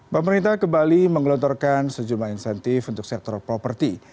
pemerintah kembali menggelontorkan sejumlah insentif untuk sektor properti